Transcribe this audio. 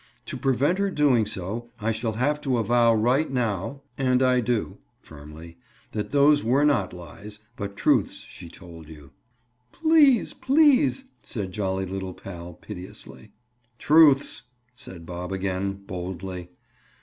"To prevent her doing so I shall have to avow right now—? and I do"—firmly—"that those were not lies, but truths she told you." "Please!—please!—" said jolly little pal piteously. "Truths!" said Bob again boldly.